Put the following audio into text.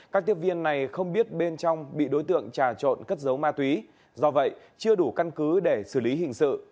các tiếp viên này không biết bên trong bị đối tượng trà trộn cất dấu ma túy do vậy chưa đủ căn cứ để xử lý hình sự